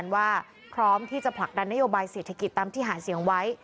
ว่าพร้อมที่จะผลักดันนโยบายเศรษฐกิจตามที่หาเสียงไว้